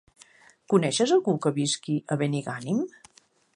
Coneixes algú que visqui a Benigànim?